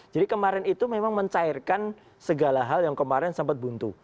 jadi kemarin itu memang mencairkan segala hal yang kemarin sempat buntu